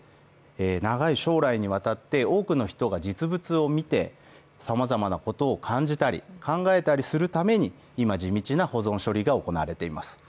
長い将来にわたって多くの人々が実物を見てさまざまなことを感じたり、考えたりするために今地道な保存処理が行われています。